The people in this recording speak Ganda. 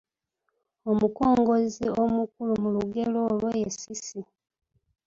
Omukongozzi omukulu mu lugero olwo ye Cissy.